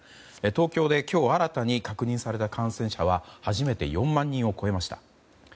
東京で今日新たに確認された感染者は初めて４万人を超えました。